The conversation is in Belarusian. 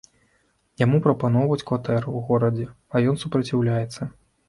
Яму прапаноўваюць кватэру ў горадзе, а ён супраціўляецца.